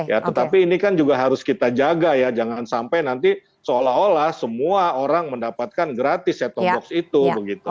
ya tetapi ini kan juga harus kita jaga ya jangan sampai nanti seolah olah semua orang mendapatkan gratis set top box itu